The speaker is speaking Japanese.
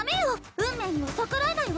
運命には逆らえないわ。